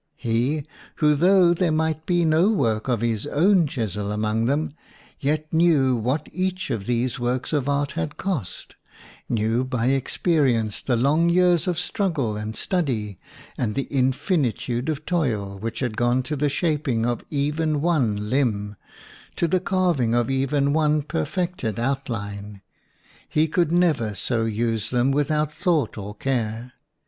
He, who, though there might be no work of his own chisel among them, yet knew what each of these works of art had cost, knew by experi ence the long years of struggle and study and the infinitude of toil which had gone to the shaping of even one WOMAN AND WAR limb, to the carving of even one per fected outline, he could never so use them without thought or care.